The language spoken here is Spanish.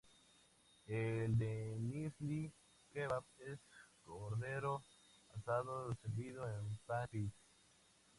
El Denizli kebab es cordero asado servido en pan pide.